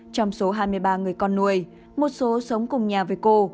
trong số hai mươi ba người con nuôi một số sống cùng nhà với cô